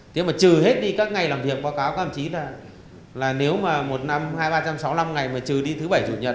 thế mà trừ hết đi các ngày làm việc báo cáo các ông chí là nếu mà một năm hai ba trăm sáu mươi năm ngày mà trừ đi thứ bảy chủ nhật